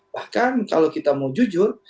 bahkan kalau kita mau jujur